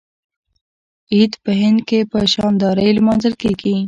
عید په هند کې په شاندارۍ لمانځل کیږي.